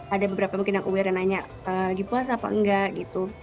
ada beberapa mungkin yang aware dan nanya lagi puasa apa enggak gitu